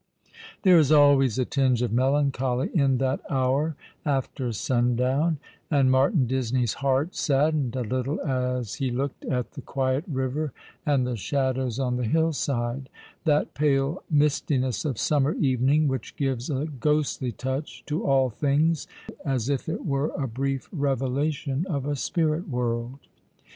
There is always a tinge of melancholy in that hour after sundown; and Martin Disney's heart saddened a little as he looked at the quiet river, and the shadows on the hillside — that pale mistiness of summer evening which gives a ghostly touch to all things, as if it were a brief revelation of a spirit world.